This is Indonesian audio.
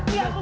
iya aku luar